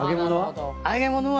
揚げ物は？